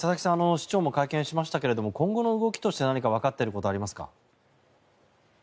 市長も会見しましたけど今後の動きとして何かわかっていることありますか。